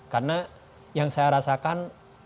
karena yang saya rasakan